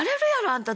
あんた。